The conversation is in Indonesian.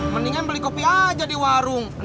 mendingan beli kopi aja di warung